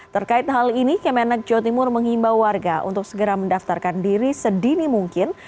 terkait hal ini kemenak jawa timur menghimbau warga untuk segera mendaftarkan diri sedini mungkin